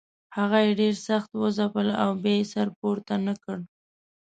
هغه یې ډېر سخت وځپل او بیا یې سر پورته نه کړ.